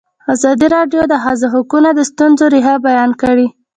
ازادي راډیو د د ښځو حقونه د ستونزو رېښه بیان کړې.